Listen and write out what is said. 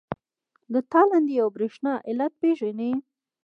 د تالندې او برېښنا علت پیژنئ؟